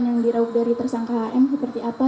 yang dirawuk dari persangka hm seperti apa